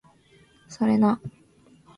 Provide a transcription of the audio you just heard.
それな